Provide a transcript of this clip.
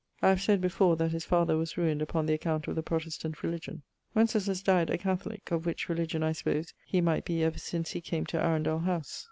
I have sayd before that his father was ruined upon the account of the Protestant religion. Winceslaus dyed a Catholique, of which religion, I suppose, he might be ever since he came to Arundel howse.